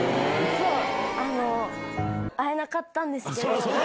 あの、会えなかったんですけど。